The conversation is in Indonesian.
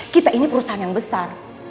kita ini perusahaan yang besar